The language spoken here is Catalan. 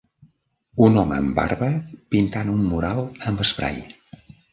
Un home amb barba pintant un mural amb esprai.